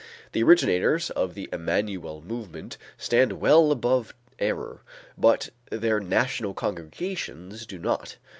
The originators of the Emmanuel Movement stand well above such error, but their national congregations do not.